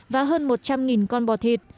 và hơn một trăm linh con bò thịt